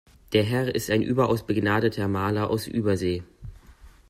Der Herr ist ein überaus begnadeter Maler aus Übersee.